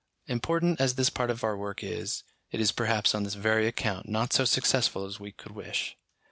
Important as this part of our work is, it is perhaps on this very account not so successful as we could wish.